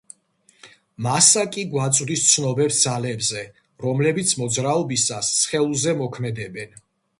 მასა კი გვაწვდის ცნობებს ძალებზე, რომლებიც მოძრაობისას სხეულზე მოქმედებენ.